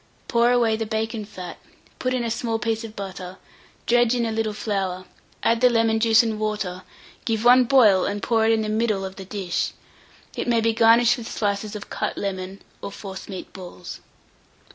Pour away the bacon fat, put in a small piece of butter, dredge in a little flour, add the lemon juice and water, give one boil, and pour it in the middle of the dish. It may be garnished with slices of cut lemon, or forcemeat balls.